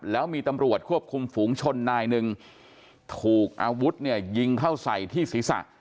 แล้วมีตำรวจควบคุมฝูงชนนายหนึ่งถูกอาวุธเนี่ยยิงเข้าใส่ที่ศีรษะ